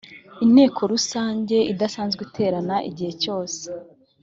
inteko rusange idasanzwe iterana igihe cyose